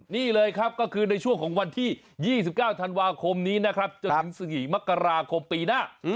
นี่เลยครับก็คือในช่วงของวันที่๒๙ธันวาคมนี้นะครับจนถึง๑๔มกราคมปีหน้า